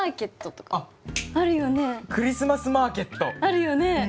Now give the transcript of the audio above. あるよね。